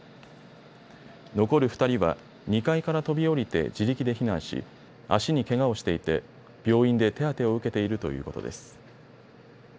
残る２人は２階から飛び降りて自力で避難し足にけがをしていて病院で手当てを受けているということです。